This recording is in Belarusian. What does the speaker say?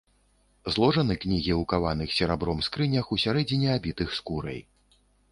Зложаны кнігі ў каваных серабром скрынях, усярэдзіне абітых скурай.